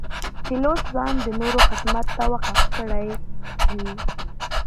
پیلوټ ځان د نورو خدمت ته وقف کړی وي.